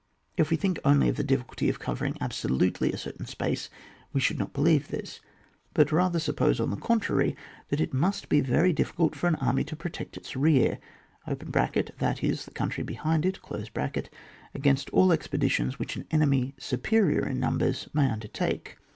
If we think only of the difficulty of covering absolutely a certain space, we should not believe this, but rather suppose, on the contrary, that it must be very difficult for an army to protect its rear (that is, the country be hind it) against all expeditions which an enemy superior in numbers may under take.